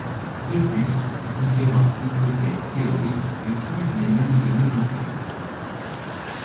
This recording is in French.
De plus, différentes hypothèses théoriques utilisent les mêmes données empiriques.